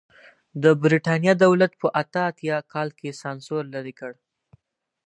د برېټانیا دولت په اته اتیا کال کې سانسور لرې کړ.